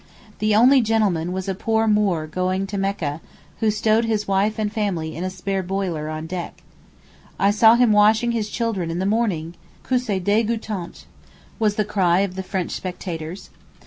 The only gentleman was a poor Moor going to Mecca (who stowed his wife and family in a spare boiler on deck). I saw him washing his children in the morning! 'Que c'est degoutant!' was the cry of the French spectators.